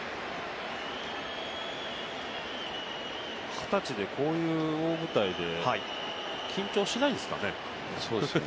はたちでこういう大舞台で緊張しないんですかね。